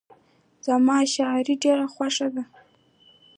زما شاعري ډېره خوښه ده.